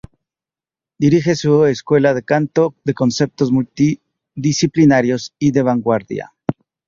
Dirige su escuela de canto con conceptos multidisciplinarios y de vanguardia.